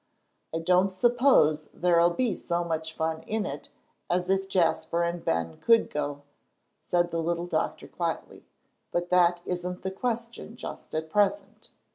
"I don't suppose there'll be so much fun in it as if Jasper and Ben could go," said the little Doctor, quietly, "but that isn't the question just at present.